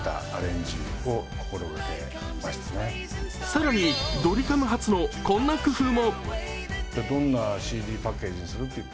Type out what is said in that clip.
更にドリカム初のこんな工夫も。